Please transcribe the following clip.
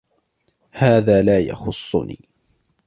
هذا لا يخصني.